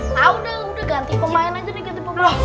ah udah udah ganti pemain aja deh